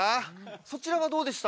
そちらはどうでした？